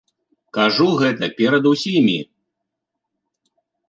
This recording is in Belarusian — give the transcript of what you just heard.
Кажу гэта перад усімі!